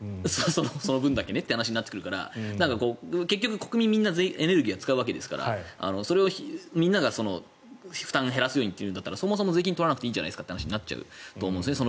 その分だけねっていう話になってくるから国民全員エネルギーは使うわけですからそれをみんなが負担を減らすようにというんだったらそもそも税金を取らなくていいという話になると思うんですね。